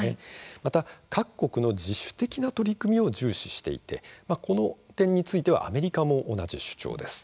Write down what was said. また各国、自主的な取り組みを重視していてこの点についてはアメリカも同じ主張です。